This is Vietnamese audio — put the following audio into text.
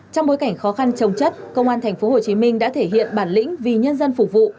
trong bối cảnh khó khăn trồng chất công an tp hcm đã thể hiện bản lĩnh vì nhân dân phục vụ